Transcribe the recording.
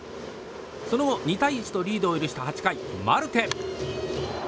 その後、２対１とリードを許した８回、マルテ。